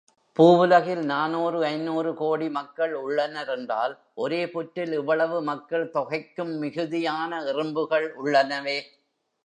பூவுலகில் நானூறு ஐந்நூறுகோடி மக்கள் உள்ளனர் என்றால், ஒரே புற்றில் இவ்வளவு மக்கள் தொகைக்கும் மிகுதியான எறும்புகள் உள்ளனவே!